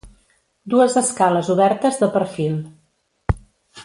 Dues escales obertes, de perfil.